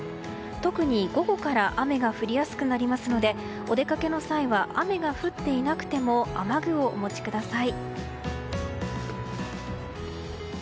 特に午後から雨が降りやすくなるのでお出かけの際は雨が降っていなくても雨具をお持ちください。